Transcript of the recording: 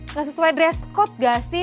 nggak sesuai dress code gak sih